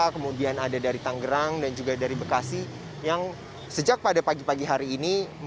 kemudian ada dari tanggerang dan juga dari bekasi yang sejak pada pagi pagi hari ini